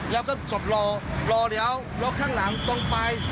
แล้วก็ศพรอรอเลี้ยวรถข้างหลังตรงไป